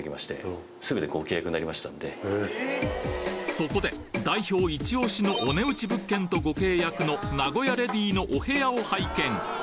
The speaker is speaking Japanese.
そこで代表イチオシのお値打ち物件とご契約の名古屋レディーのお部屋を拝見